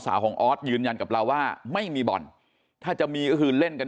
สาวของออสยืนยันกับเราว่าไม่มีบ่อนถ้าจะมีก็คือเล่นกัน